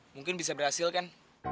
mungkin bisa berhasil kan